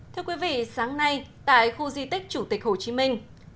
thưa quý vị sáng nay tại khu di tích chủ tịch hồ chí minh